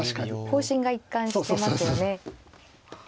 方針が一貫してますよね。